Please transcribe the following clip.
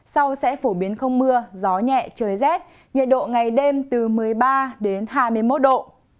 sau sẽ phổ biến không mưa gió nhẹ trời rét nhiệt độ ngày đêm từ một mươi ba đến hai mươi một độ